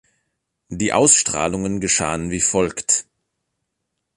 Die Ausstrahlungen geschahen wie folgt.